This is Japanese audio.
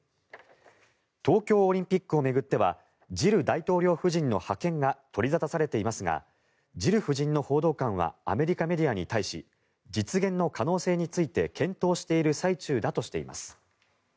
東京オリンピックを巡ってはジル大統領夫人の派遣が取り沙汰されていますがジル夫人の報道官はアメリカメディアに対し実現の可能性について検討している最中だとしています。